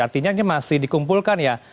artinya ini masih dikumpulkan ya